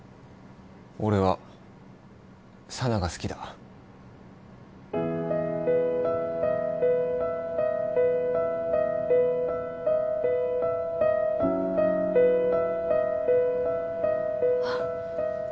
俺は佐奈が好きだあっ